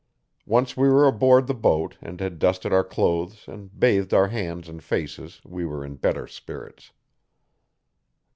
Once we were aboard the boat and had dusted our clothes and bathed our hands and faces we were in better spirits.